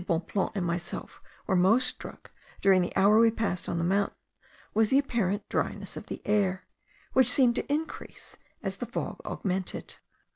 Bonpland and myself were most struck during the hour we passed on the mountain, was the apparent dryness of the air, which seemed to increase as the fog augmented.